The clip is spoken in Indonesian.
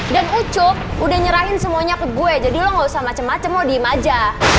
dan ucup udah nyerahin semuanya ke gue jadi lo nggak usah macem macem mau diim aja